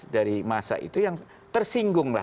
dari masa itu yang tersinggung lah